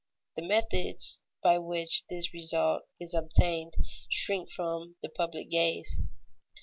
The methods by which this result is obtained shrink from the public gaze.